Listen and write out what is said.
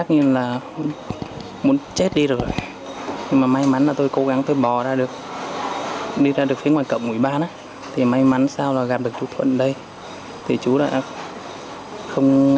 nhưng ông lập tức lên đường để cứu đại úy lê kiên cường